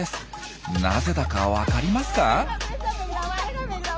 なぜだかわかりますか？